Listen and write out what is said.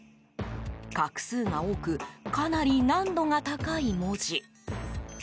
画数が多くかなり難度が高い文字。